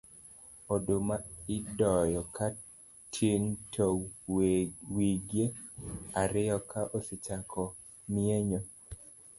oduma idoyo ga katin to wige ariyo ka osechako mienyo